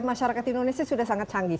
masyarakat indonesia sudah sangat canggih